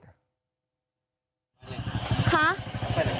ฮะ